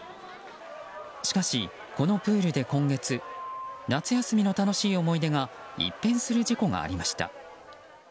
しかし、このプールで今月夏休みの楽しい思い出が一変する事故がありました。